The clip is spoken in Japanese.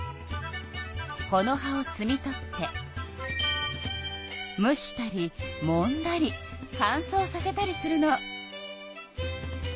この葉をつみ取って蒸したりもんだり乾燥させたりするの。